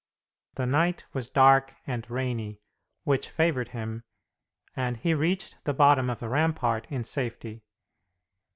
The night was dark and rainy, which favored him, and he reached the bottom of the rampart in safety.